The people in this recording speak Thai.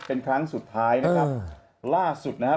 เป็นครั้งสุดท้ายนะครับล่าสุดนะครับ